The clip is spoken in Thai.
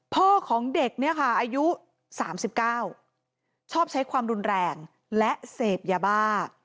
พ่อของเด็กเนี่ยค่ะอายุ๓๙ชอบใช้ความรุนแรงและเสพยาบ้า